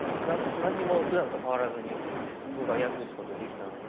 何にもふだんと変わらずに僕は打つことできたので。